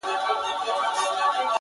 داسي په ماښام سترگي راواړوه ـ